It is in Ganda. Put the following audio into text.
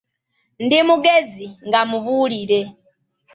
"Ndi mugezi, nga mubuulire."